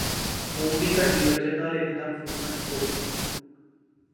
phone ਦੀ ਘੰਟੀ ਵੱਜਣ ਨਾਲ ਇੱਕ ਦਮ ਫੋਨ ਨਾ ਚੁੱਕੋ